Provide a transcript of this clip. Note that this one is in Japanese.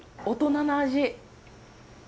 大人の味。